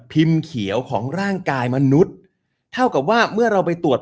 เขียวของร่างกายมนุษย์เท่ากับว่าเมื่อเราไปตรวจ